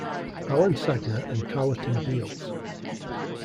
Alan Sagner and Carleton Beals.